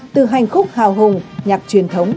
từ hành khúc hào hùng nhạc truyền thống